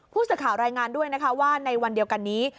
ผู้สื่อข่าวรายงานด้วยนะคะว่าในวันเดียวกันนี้